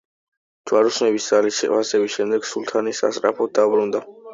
ჯვაროსნების ძალის შეფასების შემდეგ სულთანი სასწრაფოდ დაბრუნდა.